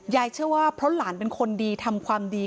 เชื่อว่าเพราะหลานเป็นคนดีทำความดี